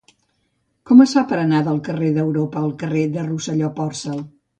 Com es fa per anar del carrer d'Europa al carrer de Rosselló i Porcel?